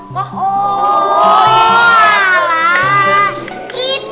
bahasa arabnya kursi itu